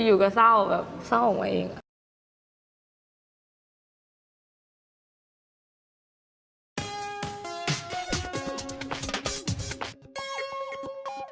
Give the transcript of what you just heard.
อยู่ก็เศร้าออกมาเอง